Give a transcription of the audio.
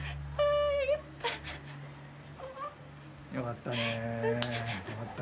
よかったね。